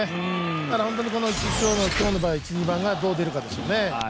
だから本当に今日の場合、１、２番がどう出るかですよね。